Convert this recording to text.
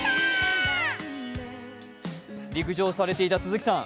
陸上をされていた鈴木さん